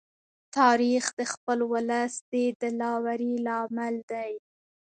تاریخ د خپل ولس د دلاوري لامل دی.